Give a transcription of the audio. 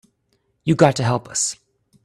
You got to help us.